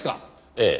ええ。